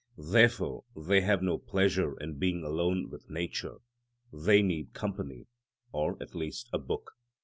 Therefore they have no pleasure in being alone with nature; they need company, or at least a book.